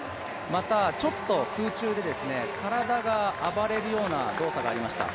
また、ちょっと空中で体が暴れるような動作がありました。